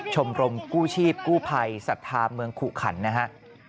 ชมรมกู้ชีพกู้ภัยศรัทธาเมืองขุขันนะฮะ